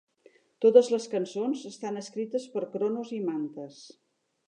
Totes les cançons estan escrites per Cronos i Mantas.